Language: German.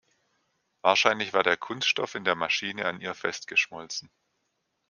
Wahrscheinlich war der Kunststoff in der Maschine an ihr festgeschmolzen.